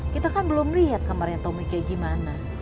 kita kan belum lihat kamarnya tommy kayak gimana